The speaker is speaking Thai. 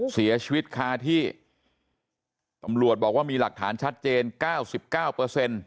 เสียชีวิตค่าที่ตำรวจบอกว่ามีหลักฐานชัดเจน๙๙